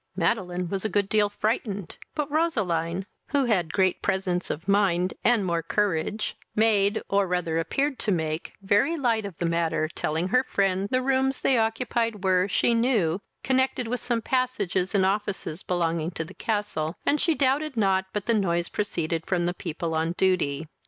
Madeline was a good deal frightened, but Roseline, who had great presence of mind, and more courage, made, or rather appeared to make, very light of the matter, telling her friend the rooms they occupied were, she knew, connected with some passages and offices belonging to the castle, and she doubted not but the noise proceeded from the people on duty.